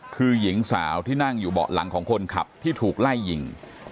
คือหญิงสาวที่นั่งอยู่เบาะหลังของคนขับที่ถูกไล่ยิง